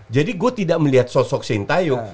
jadi gue tidak melihat sosok sintayung